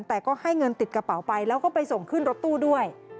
แต่ก็ให้เงินติดกระเป๋าไปแล้วก็ไปส่งขึ้นรถตู้ด้วย